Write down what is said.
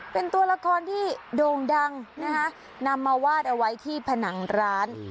เป็นตัวละครที่โด่งดังนะคะนำมาวาดเอาไว้ที่ผนังร้าน